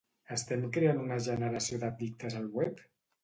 Estem creant una generació d'addictes al web?